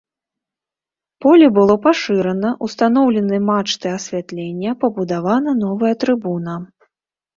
Поле было пашырана, устаноўлены мачты асвятлення, пабудавана новая трыбуна.